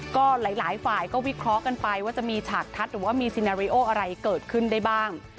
ก็หลายฝ่ายก็วิเคราะห์กันไปว่าจะมีฉากทัศน์หรือว่ามีซีนาริโออะไรเกิดขึ้นได้บ้าง